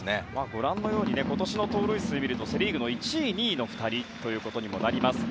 ご覧のように今年の盗塁数をみるとセ・リーグの１位、２位の２人となります。